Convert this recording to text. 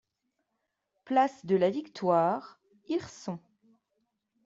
Place de la Victoire, Hirson